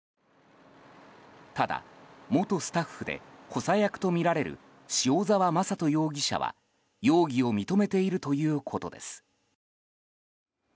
ただ、元スタッフで補佐役とみられる塩澤正人容疑者は、容疑を認めているということです。